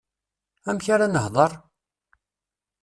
Amek ara nehdeṛ?